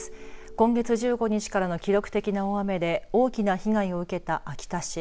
今月１５日からの記録的な大雨で大きな被害を受けた秋田市。